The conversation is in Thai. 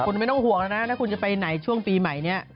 คุณไม่ต้องห่วงนะนะถ้าคุณจะไปเมื่อไหร่ช่วงปีใหม่นี้